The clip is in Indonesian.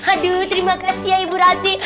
aduh terima kasih ya ibu rati